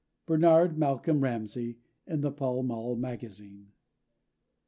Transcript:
—Bernard Malcolm Ramsay, in the Pall Mall Magazine.